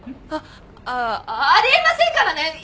あっああり得ませんからね！